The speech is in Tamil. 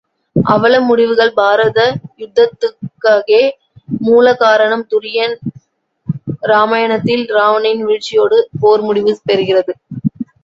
அவல முடிவுகள் பாரத யுத்தத்துககே மூல காரணம் துரியன் இராமாயணத்தில் இராவணனின் வீழ்ச்சியோடு போர் முடிவு பெறுகிறது.